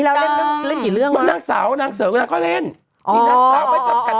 แล้วเล่นเล่นกี่เรื่องนางสาวนางเสิร์ฟก็เล่นนางสาวไม่จำกัด